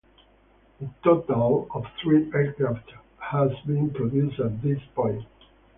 A total of three aircraft had been produced at this point.